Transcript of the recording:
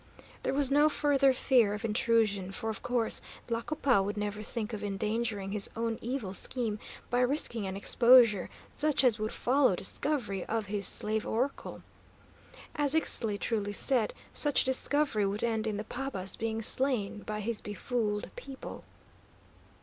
There was no further fear of intrusion, for, of course, Tlacopa would never think of endangering his own evil scheme by risking an exposure such as would follow discovery of his slave oracle. As Ixtli truly said, such discovery would end in the paba's being slain by his befooled people.